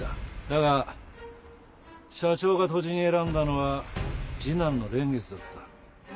だが社長が杜氏に選んだのは次男の蓮月だった。